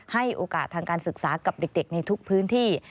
ให้โอกาสทางการศึกษากับเด็กในทุกพื้นที่